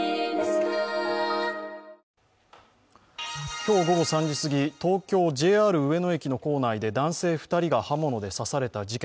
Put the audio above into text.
今日午後３時すぎ東京・ＪＲ上野駅の構内で男性２人が刃物刺された事件。